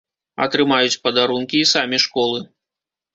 Атрымаюць падарункі і самі школы.